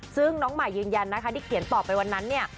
ซึ่งน้องใหม่ยืนยันนะคะที่เขียนต่อไปวันนั้นเนี่ย